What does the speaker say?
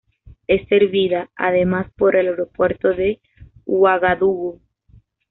Es servida además por el Aeropuerto de Uagadugú.